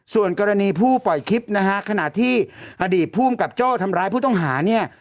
ส่วนกรณีผู้ปล่อยคลิปนะฮะขณะที่อดีตภูมิกับโจ้ทำร้ายผู้ต้องหาเนี่ย